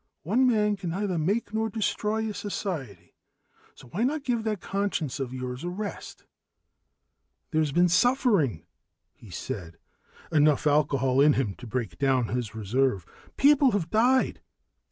"One man can neither make nor destroy a society. So why not give that conscience of yours a rest?" "There's been suffering," he said, enough alcohol in him to break down his reserve. "People have died."